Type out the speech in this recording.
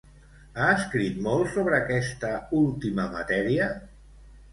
Ha escrit molt sobre aquesta última matèria?